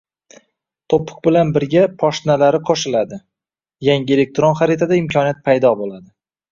To'piq Bilan ʙirga poshnalari qo'shiladi, yangi elektron xaritada imkoniyat paydo bo'ladi